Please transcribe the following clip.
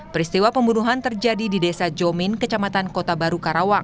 peristiwa pembunuhan terjadi di desa jomin kecamatan kota baru karawang